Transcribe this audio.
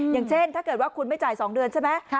อย่างเช่นถ้าเกิดว่าคุณไม่จ่าย๒เดือนใช่ไหม